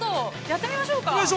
◆やってみましょうか。